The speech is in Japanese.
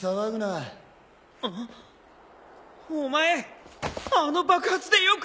お前あの爆発でよく。